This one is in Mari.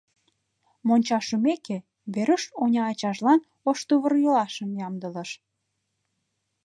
Монча шумеке, Веруш оньачажлан ош тувыр-йолашым ямдылыш.